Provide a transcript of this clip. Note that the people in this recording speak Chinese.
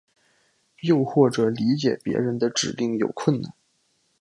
又或者理解别人的指令有困难。